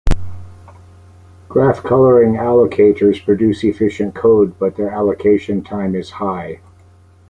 Graph coloring allocators produce efficient code, but their allocation time is high.